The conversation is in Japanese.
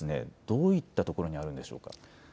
どういったところにあるんでしょうか。